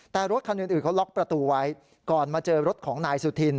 แต่รถคันอื่นเขาล็อกประตูไว้ก่อนมาเจอรถของนายสุธิน